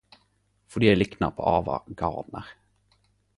Fordi eg liknar på Ava Gardner.